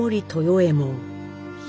右衛門。